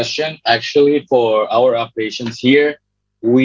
sebenarnya untuk operasi kami di sini